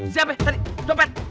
siapa yang tadi copet